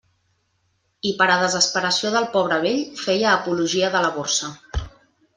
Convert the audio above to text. I per a desesperació del pobre vell, feia apologia de la Borsa.